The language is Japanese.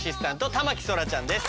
田牧そらちゃんです。